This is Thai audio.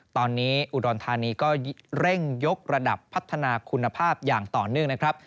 ตอนนี้อุดรธานีก็เร่งยกระดับพัฒนาคุณภาพอย่างต่อเนื่องนะครับ